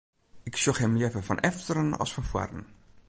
Ik sjoch him leaver fan efteren as fan foaren.